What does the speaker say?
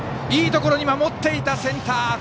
いいところに守っていたセンター。